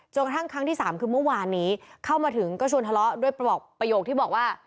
กระทั่งครั้งที่สามคือเมื่อวานนี้เข้ามาถึงก็ชวนทะเลาะด้วยประโยคที่บอกว่า